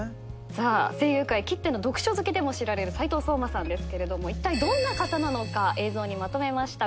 さあ声優界きっての読書好きでも知られる斉藤壮馬さんですけれどもいったいどんな方なのか映像にまとめました。